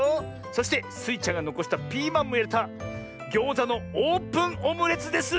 そしてスイちゃんがのこしたピーマンもいれたギョーザのオープンオムレツです！